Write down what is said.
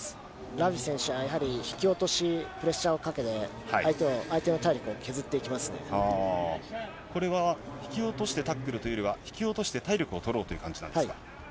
ラビ選手は引き落とし、相手にプレッシャーをかけて、これは引き落としてタックルというよりは、引き落として体力を取ろうという感じなんですか？